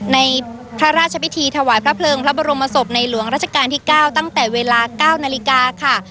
ในพระราชพิธีถวายพระเพลิงพระบรมศพในหลวงราชการที่๙ตั้งแต่เวลา๙นาฬิกาค่ะ